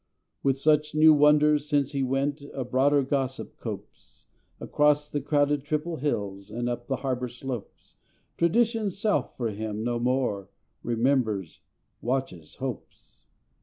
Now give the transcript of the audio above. With such new wonders since he went A broader gossip copes, Across the crowded triple hills, And up the harbor slopes, Tradition's self for him no more Remembers, watches, hopes.